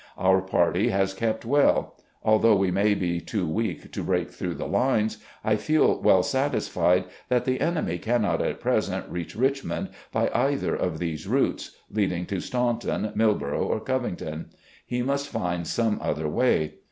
Otu party has kept well. ... Although we may be too weak to break through the lines, I feel well satisfied that the enemy cannot at present reach Rich mond by either of these routes, leading to Stavmton, Mil borough or Covington. He must find some other way.